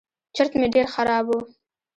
چورت مې ډېر خراب و.